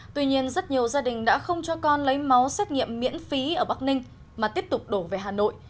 tuy nhiên rất nhiều gia đình đã không cho con lấy máu xét nghiệm miễn phí ở bắc ninh mà tiếp tục đổ về hà nội